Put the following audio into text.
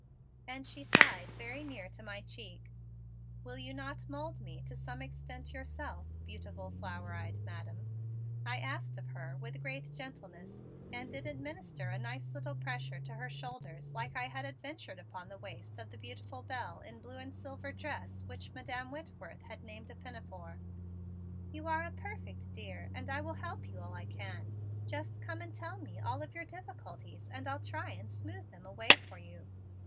And she sighed very near to my cheek. "Will you not mould me to some extent yourself, beautiful flower eyed Madam?" I asked of her with great gentleness, and did administer a nice little pressure to her shoulders like I had adventured upon the waist of the beautiful Belle in blue and silver dress which Madam Whitworth had named a pinafore. "You are a perfect dear, and I will help you all I can. Just come and tell me all of your difficulties and I'll try and smooth them away for you.